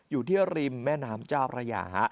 อยู่ที่ริมแม่น้ำเจ้าพระยา